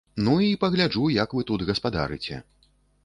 Ну і пагляджу, як вы тут гаспадарыце.